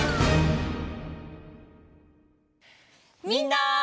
みんな！